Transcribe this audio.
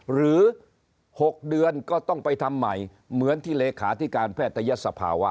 หรือ๖เดือนก็ต้องไปทำใหม่เหมือนที่เลขาธิการแพทยศภาวะ